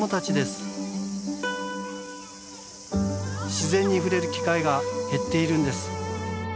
自然に触れる機会が減っているんです。